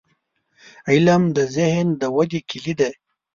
• علم، د ذهن د ودې کلي ده.